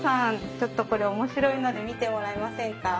ちょっとこれ面白いので見てもらえませんか？